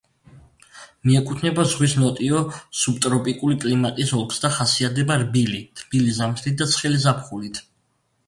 მიეკუთვნება ზღვის ნოტიო სუბტროპიკული კლიმატის ოლქს და ხასიათდება რბილი, თბილი ზამთრით და ცხელი ზაფხულით.